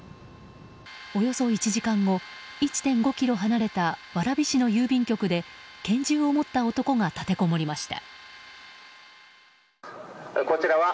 およそ１時間後１．５ｋｍ離れた蕨市の郵便局で拳銃を持った男が立てこもりました。